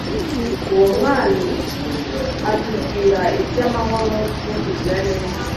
uwo mwami atubwira iby'amahoro no kugira neza